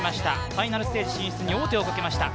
ファイナルシリーズ進出に王手をかけました。